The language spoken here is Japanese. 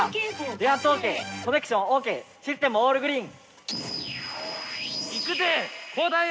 電圧ＯＫコネクションＯＫシステムオールグリーン。